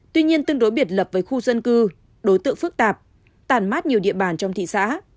tuy nhiên tương đối biệt lập với khu dân cư đối tượng phức tạp tàn mát nhiều địa bàn trong thị xã